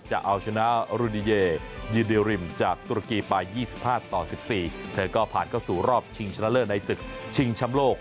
จะเอาชนะรุนิเยีเดริมจากตุรกีไป๒๕ต่อ๑๔เธอก็ผ่านเข้าสู่รอบชิงชนะเลิศในศึกชิงช้ำโลก